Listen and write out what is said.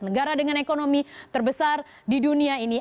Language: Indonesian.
negara dengan ekonomi terbesar di dunia ini